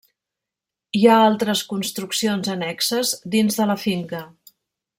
Hi ha altres construccions annexes dins de la finca.